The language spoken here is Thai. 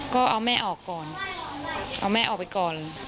ก็เอาแม่ออกไปก่อน